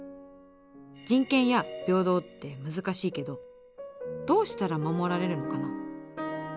人権や平等って難しいけどどうしたら守られるのかな？